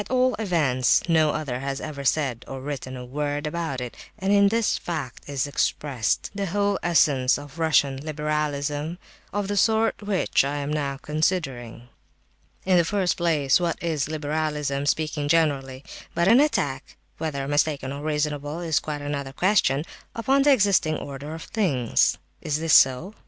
At all events, no other has ever said or written a word about it; and in this fact is expressed the whole essence of Russian liberalism of the sort which I am now considering. "In the first place, what is liberalism, speaking generally, but an attack (whether mistaken or reasonable, is quite another question) upon the existing order of things? Is this so?